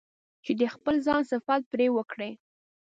چې د خپل ځان صفت پرې وکړي.